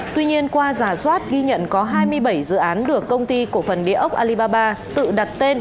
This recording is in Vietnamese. tuy nhiên qua giả soát ghi nhận có hai mươi bảy dự án được công ty cổ phần địa ốc alibaba tự đặt tên